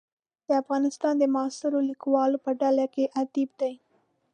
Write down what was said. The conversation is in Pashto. د افغانستان د معاصرو لیکوالو په ډله کې ادیب دی.